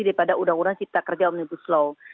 daripada udang udang ciptakerja omnibus law